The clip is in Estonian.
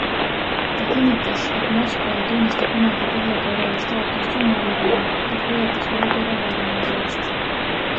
Ta kinnitas, et Moskva ei tunnista kunagi Põhja-Korea staatust tuumariigina, ent hoiatas olukorra halvendamise eest.